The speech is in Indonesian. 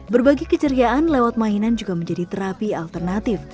berbagi keceriaan lewat mainan juga menjadi terapi alternatif